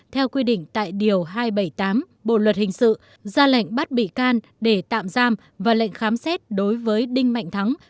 theo quy định tại điều hai trăm bảy mươi tám bộ luật hình sự ra lệnh bắt bị can để tạm giam và lệnh khám xét đối với đinh mạnh thắng